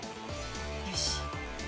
よし。